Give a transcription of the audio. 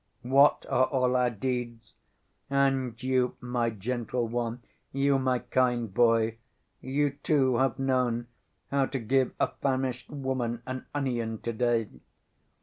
What are all our deeds? And you, my gentle one, you, my kind boy, you too have known how to give a famished woman an onion to‐day.